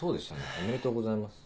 おめでとうございます。